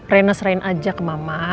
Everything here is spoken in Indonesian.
rena serahin ajak ke mama